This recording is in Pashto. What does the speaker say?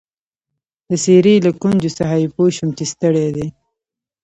د څېرې له ګونجو څخه يې پوه شوم چي ستړی دی.